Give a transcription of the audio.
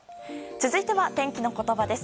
続いては、天気のことばです。